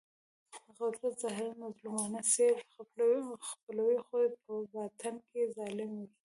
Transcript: قدرت ظاهراً مظلومانه څېره خپلوي خو په باطن کې ظالم وي.